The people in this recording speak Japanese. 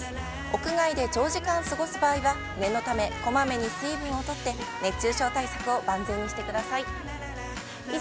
屋外で長時間過ごす場合は念のため小まめに水分をとって熱中症対策を万全にしてください。